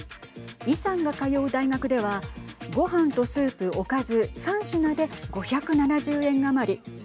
イさんが通う大学ではご飯とスープ、おかず３品で５７０円余り。